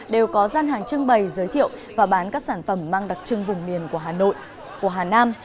đều có gian hàng trưng bày giới thiệu và bán các sản phẩm mang đặc trưng vùng miền của hà nam